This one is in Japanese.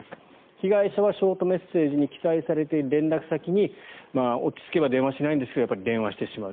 被害者はショートメッセージに記載されている連絡先に落ち着けば連絡しないんですが電話してしまう。